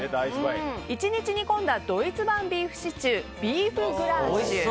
１日煮込んだドイツ版ビーフシチュービーフグラーシュ。